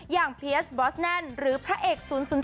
อย่างเพียสบอสแนนด์หรือพระเอก๐๐๗